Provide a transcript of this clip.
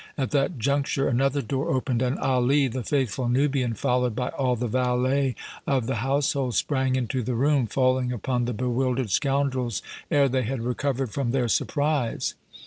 At that juncture another door opened and Ali, the faithful Nubian, followed by all the valets of the household, sprang into the room, falling upon the bewildered scoundrels ere they had recovered from their surprise.